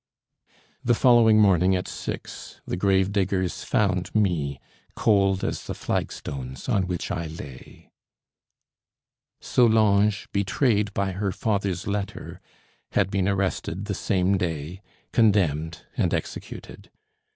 The following morning at six the grave diggers found me, cold as the flagstones on which I lay. Solange, betrayed by her father's letter, had been arrested the same day, condemned, and executed.